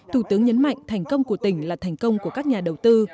thủ tướng nhấn mạnh thành công của tỉnh là thành công của các nhà đầu tư